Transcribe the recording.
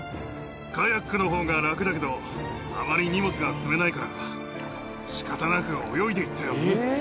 カヤックのほうが楽だけど、あまり荷物が積めないから、しかたなく泳いでいったよ。